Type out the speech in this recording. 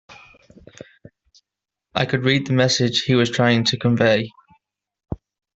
I could read the message he was trying to convey.